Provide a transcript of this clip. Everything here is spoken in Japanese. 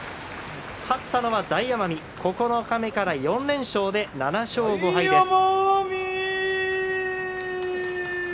勝ったのは大奄美九日目から４連勝で７勝５敗です。